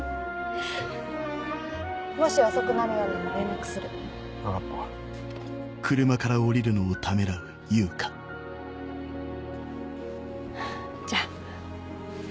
もし遅くなるようなら連絡する分かったじゃあえ